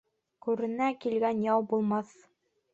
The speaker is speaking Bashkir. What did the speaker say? Күренә килгән яу булмаҫ.